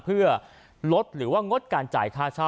เพื่อลดหรือว่างดการจ่ายค่าเช่า